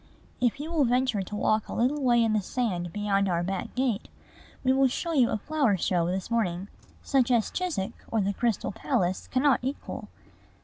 If you will venture to walk a little way in the sand beyond our back gate, we will show you a flower show this morning such as Chiswick or the Crystal Palace cannot equal.